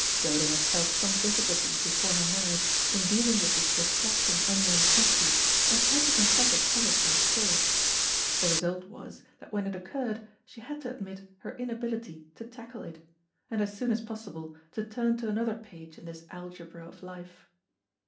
Dodo had felt some difficulty before her marriage in dealing with this perplexing unknown quantity, and she had to confess it puzzled her still. The result was, that when it occurred, she had to admit her inability to tackle it, and as soon as possible to turn to another page in this algebra of life.